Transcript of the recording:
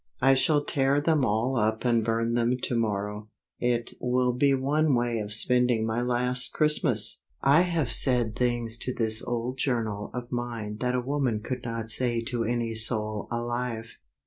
I shall tear them all up and burn them to morrow; it will be one way of spending my last Christmas! I have said things to this old journal of mine that a woman could not say to any soul alive.